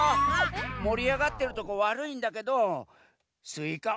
もりあがってるとこわるいんだけどスイカ